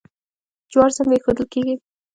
جوار څنګه ایښودل کیږي؟